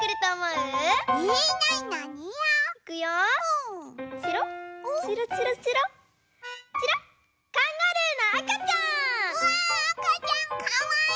うわあかちゃんかわいい！